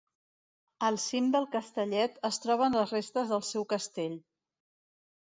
Al cim del Castellet es troben les restes del seu castell.